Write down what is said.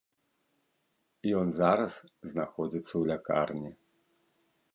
Ён зараз знаходзіцца ў лякарні.